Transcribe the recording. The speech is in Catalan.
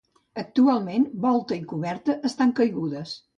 Actualment, volta i coberta estan caigudes.